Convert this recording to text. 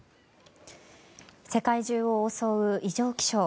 世界中を襲う異常気象。